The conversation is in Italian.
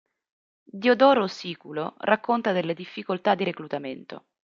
Diodoro Siculo racconta delle difficoltà di reclutamento.